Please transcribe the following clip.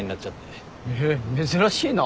へぇ珍しいな。